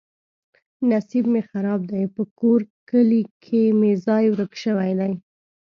نصیب مې خراب دی. په کور کلي کې مې ځای ورک شوی دی.